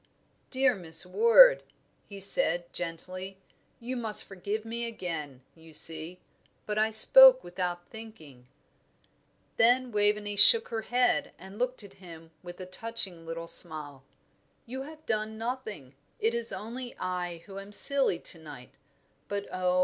"Dear Miss Ward," he said, gently, "you must forgive me again, you see; but I spoke without thinking." Then Waveney shook her head and looked at him with a touching little smile. "You have done nothing it is only I who am silly to night; but oh!